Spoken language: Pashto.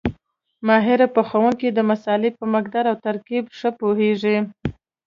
ماهر پخوونکی د مسالې په مقدار او ترکیب ښه پوهېږي.